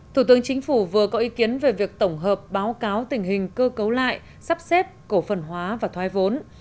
thủ tướng chính phủ vừa có ý kiến về việc tổng hợp báo cáo tình hình cơ cấu lại sắp xếp cổ phần hóa và thoái vốn